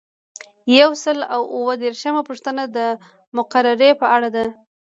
یو سل او اووه دیرشمه پوښتنه د مقررې په اړه ده.